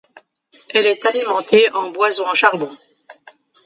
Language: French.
Elle est alimentée en bois ou en charbon.